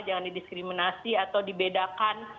jangan diskriminasi atau dibedakan